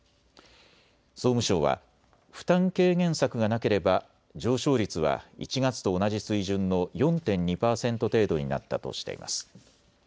総務省は負担軽減策がなければ上昇率は１月と同じ水準の４．２％程度になったとしています。